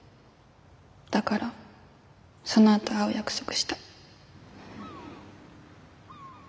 だからそのあと会う約束した。